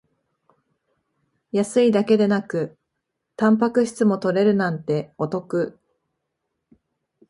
安いだけでなくタンパク質も取れるなんてお得